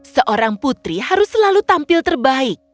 seorang putri harus selalu tampil terbaik